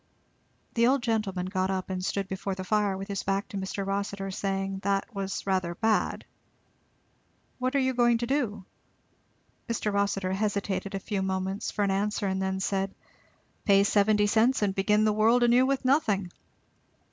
The old gentleman got up and stood before the fire with his back to Mr. Rossitur, saying "that was rather bad." "What are you going to do?" Mr. Rossitur hesitated a few moments for an answer and then said, "Pay the seventy cents and begin the world anew with nothing."